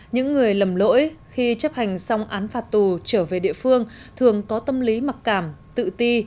những người lầm lỗi khi chấp hành xong án phạt tù trở về địa phương thường có tâm lý mặc cảm tự ti